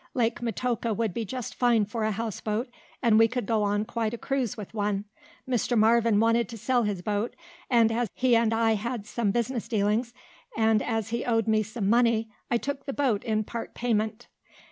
Lake Metoka would be just fine for a houseboat, and we could go on quite a cruise with one. Mr. Marvin wanted to sell his boat, and as he and I had some business dealings, and as he owed me some money, I took the boat in part payment."